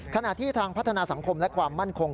ขณะที่ทางพัฒนาสังคมและความมั่นคง